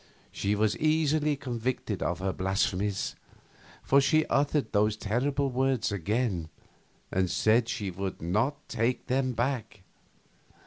She was easily convicted of her blasphemies, for she uttered those terrible words again and said she would not take them back.